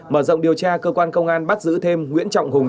mở rộng điều tra cơ quan công an bắt giữ thêm nguyễn trọng hùng